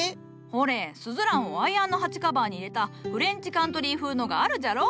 ほれスズランをアイアンの鉢カバーに入れたフレンチカントリー風のがあるじゃろ。